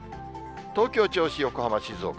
東京、銚子、横浜、静岡。